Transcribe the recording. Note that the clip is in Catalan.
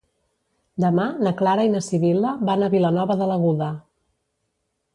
Demà na Clara i na Sibil·la van a Vilanova de l'Aguda.